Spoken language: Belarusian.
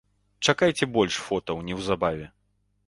Чакайце больш фотаў неўзабаве.